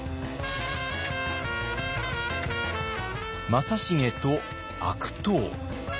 正成と悪党。